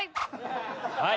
はい！